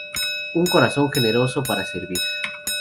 Un corazón generoso, para servir.